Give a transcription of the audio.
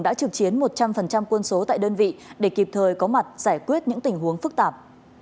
đã trực chiến một trăm linh quân số tại đơn vị để kịp thời có mặt giải quyết những tình huống phức tạp